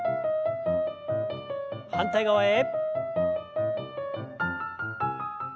反対側へ。